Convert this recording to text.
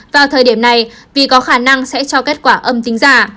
vào thời điểm này vì có khả năng sẽ cho kết quả âm tính giả